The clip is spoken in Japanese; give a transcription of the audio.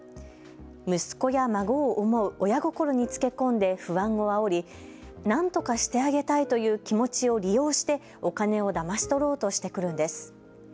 息子や孫を思う親心につけ込んで不安をあおりなんとかしてあげたいという気持ちを利用してお金をだまし取ろうとしてくるのです。